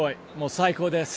最高です。